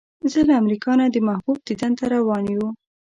زه له امریکا نه د محبوب دیدن ته روان یو.